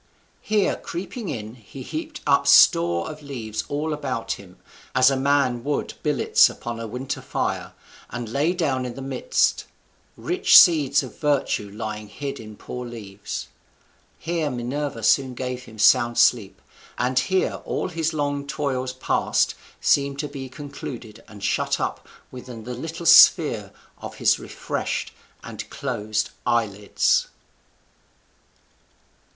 Here creeping in, he heaped up store of leaves all about him, as a man would billets upon a winter fire, and lay down in the midst. Rich seed of virtue lying hid in poor leaves! Here Minerva soon gave him sound sleep; and here all his long toils past seemed to be concluded and shut up within the little sphere of his refreshed and closed eyelids.